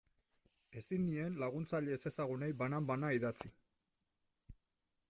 Ezin nien laguntzaile ezezagunei banan-banan idatzi.